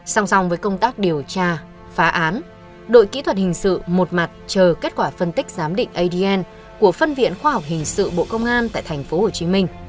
song song với công tác điều tra phá án đội kỹ thuật hình sự một mặt chờ kết quả phân tích giám định adn của phân viện khoa học hình sự bộ công an tại tp hcm